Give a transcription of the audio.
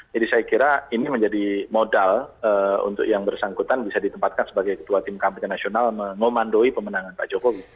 jadi saya kira ini menjadi modal untuk yang bersangkutan bisa ditempatkan sebagai ketua tim kampanye nasional mengomandoi pemenangan pak jokowi